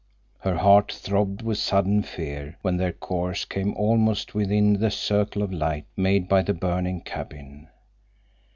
Her heart throbbed with sudden fear when their course came almost within the circle of light made by the burning cabin.